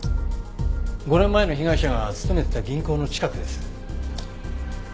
５年前の被害者が勤めてた銀行の近くです。